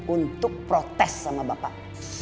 untuk protes sama bapak